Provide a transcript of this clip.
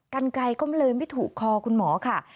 กันไกลก็เลยไม่ถูกคอคุณหมอค่ะ